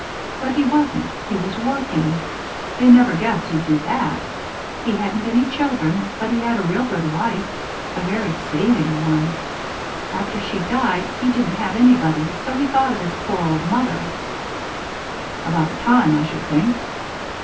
But he wasn't. He was working. They never guessed he'd do that. He hadn't any children, but he had a real good wife a very saving one. After she died he didn't have anybody, so he thought of his poor old mother " "About time, I should think."